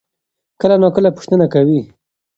خلک کله ناکله پوښتنه کوي.